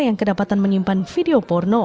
yang kedapatan menyimpan video porno